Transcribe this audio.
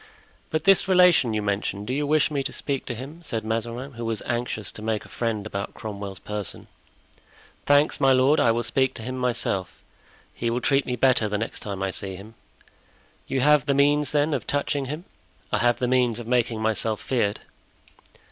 "But this relation you mentioned—do you wish me to speak to him?" said Mazarin, who was anxious to make a friend about Cromwell's person. "Thanks, my lord, I will speak to him myself. He will treat me better the next time I see him." "You have the means, then, of touching him?" "I have the means of making myself feared."